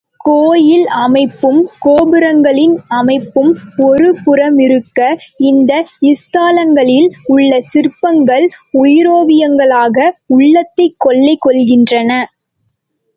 கோயில் அமைப்பும் கோபுரங்களின் அமைப்பும் ஒருபுறமிருக்க இந்த ஸ்தலங்களில் உள்ள சிற்பங்கள் உயிரோவியங்களாக உள்ளத்தைக் கொள்ளை கொள்கின்றன.